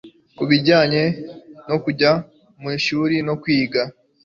kubijyanye no kujya mu ishuri no kwiga